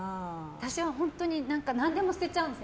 私は本当に何でも捨てちゃうんです。